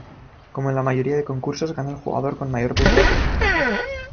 Como en la mayoría de concursos, gana el jugador con mayor puntuación.